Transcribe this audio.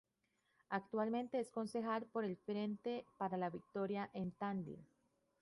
Actualmente es concejal por el Frente para la Victoria en Tandil.